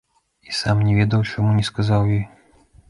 І сам не ведаў, чаму не сказаў ёй.